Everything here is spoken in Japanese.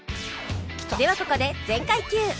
ではここで「全開 Ｑ」